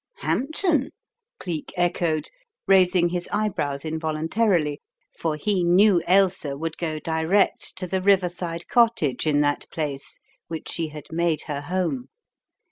"Hampton? " Cleek echoed, raising his eyebrows involuntarily, for he knew Ailsa would go direct to the riverside cottage in that place which she had made her home.